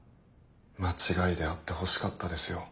間違いであってほしかったですよ。